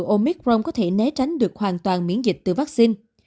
omicron có thể né tránh được hoàn toàn miễn dịch từ vaccine